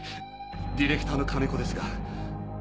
ディレクターの金子ですが。